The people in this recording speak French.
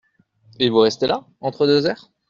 Et vous restez là, entre deux airs ?…